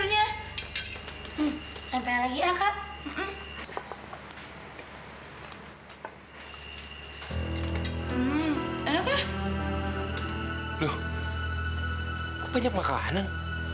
loh kok banyak makanan